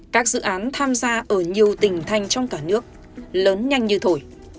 các dự án tham gia ở nhiều tỉnh thành trong cả nước lớn nhanh như thổi